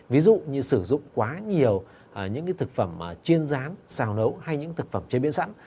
ví dụ như sử dụng quá nhiều những thực phẩm chuyên rán xào nấu hay những thực phẩm chế biến sẵn